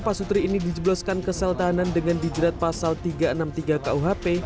pak sutri ini dijebloskan kesel tahanan dengan dijerat pasal tiga ratus enam puluh tiga kuhp